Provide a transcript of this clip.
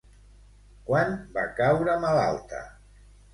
Quan va caure malalta?